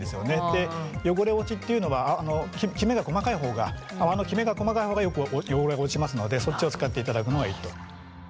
で汚れ落ちっていうのはあのきめが細かい方が泡のきめが細かい方がよく汚れが落ちますのでそっちを使っていただくのがいいと。